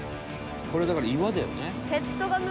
「これだから岩だよね」